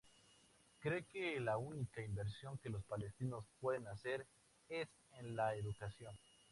Cree que la única inversión que los Palestinos pueden hacer es en la educación.